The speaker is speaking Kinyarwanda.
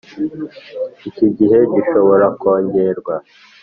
Iki gihe gishobora kongerwa